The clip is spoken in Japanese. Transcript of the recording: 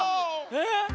えっ？